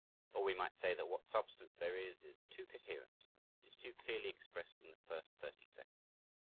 Or we might say that what substance there is, is "too coherent" it is too clearly expressed in the first thirty seconds.